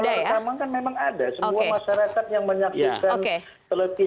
kalau rekaman kan memang ada